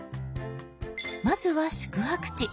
まずは「宿泊地」。